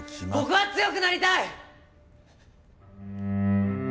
僕は強くなりたい！